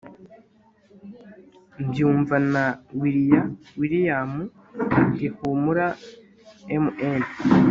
mbyumvana willia william ati humura mn